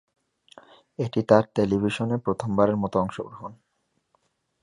এটি তার টেলিভিশনে প্রথমবারের মতো অংশগ্রহণ।